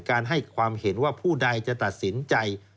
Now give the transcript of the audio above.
ให้ความเห็นว่าผู้ใดจะตัดสินใจ